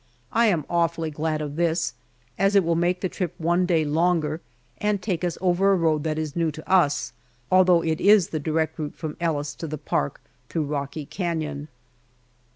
I am awfully glad of this, as it will make the trip one day longer, and take us over a road that is new to us, although it is the direct route from Ellis to the Park through Rocky Canon.